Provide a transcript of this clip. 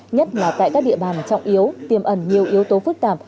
nhất là tại các địa bàn trọng yếu tiềm ẩn nhiều yếu tố phức tạp